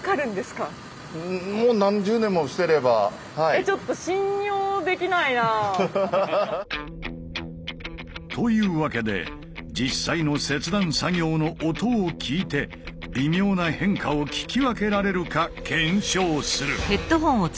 えぇ。というわけで実際の切断作業の音を聴いて微妙な変化を聞き分けられるか検証する！